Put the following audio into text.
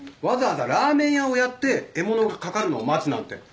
わざわざラーメン屋をやって獲物が掛かるのを待つなんて。